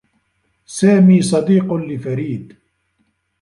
سامي صديق لفريد.